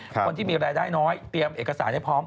คนที่มีรายได้น้อยเตรียมเอกสารให้พร้อม